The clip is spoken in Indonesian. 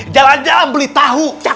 jalan jalan beli tahu